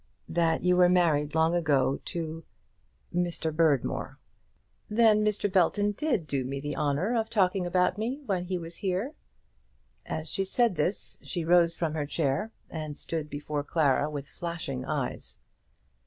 "That you were married long ago to Mr. Berdmore." "Then Mr. Belton did do me the honour of talking about me when he was here?" As she said this she rose from her chair, and stood before Clara with flashing eyes.